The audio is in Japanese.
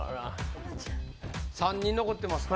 ３人残ってます